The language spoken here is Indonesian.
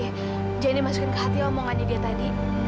eh jangan dimasukin ke hati omongannya dia tadi